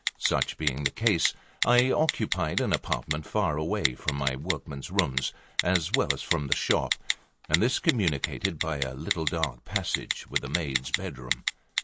Such being the case, I occupied an apartment far away from my workmen's rooms, as well as from the shop; and this communicated by a little dark passage with the maid's bedroom.